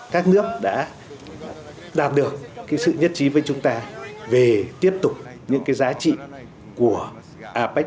các nước đã đạt được cái sự nhất trí với chúng ta về tiếp tục những cái giá trị của apec